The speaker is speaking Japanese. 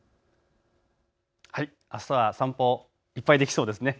あすはお散歩いっぱいできそうですね。